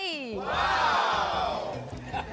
ว้าว